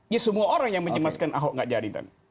ya semua orang yang mencemaskan ahok tidak jadi